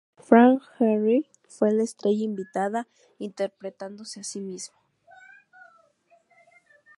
Frank Gehry fue la estrella invitada, interpretándose a sí mismo.